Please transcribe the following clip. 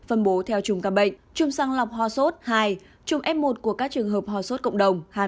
phân bố theo chung ca bệnh chung sàng lọc hoa sốt hai chung f một của các trường hợp hoa sốt cộng đồng hai mươi một